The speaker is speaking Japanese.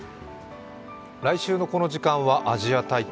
来週のこの時間はアジア大会。